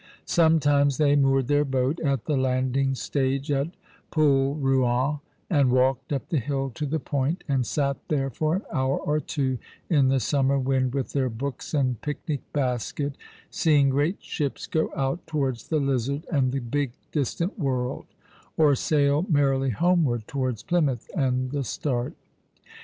Sometimes they moored their boat at the landing stage at Polruan, and walked up the hill to the Point, and sat there for an hour or two in the summer wind with their books and picnic basket, seeing great ships go out towards the Lizard and the big distant world, or sail merrily homeward towards Plymouth and the Start.